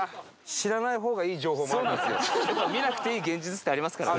見なくていい現実ってありますからね。